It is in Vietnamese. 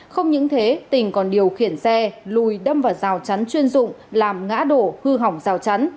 không những thế tình còn điều khiển xe lùi đâm vào rào chắn chuyên dụng làm ngã đổ hư hỏng rào chắn